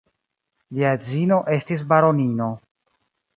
Lia edzino estis baronino.